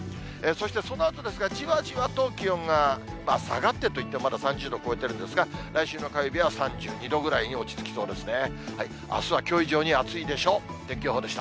そしてそのあとですが、じわじわと気温が下がってといってもまだ３０度を超えてるんですが、来週の火曜日は３２度ぐらいに落ち着きそうですね。